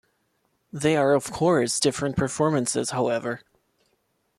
They are of course different performances however.